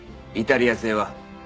イタリア製は。